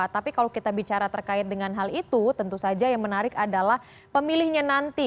tapi kalau kita bicara terkait dengan hal itu tentu saja yang menarik adalah pemilihnya nanti